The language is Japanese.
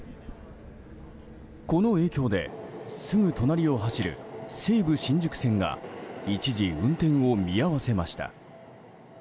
この影響で、すぐ隣を走る西武新宿線が一時、運転を見合わせました。